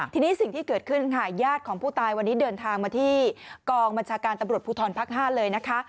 ทีนี้สิ่งที่เกิดขึ้นค่ะญาติของผู้ตายวันนี้เดินทางมาที่กองบัญชาการตำรวจภูทรภักดิ์๕เลยนะคะ